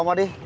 cầm vào đi